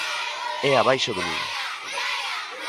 É a baixa do Lugo.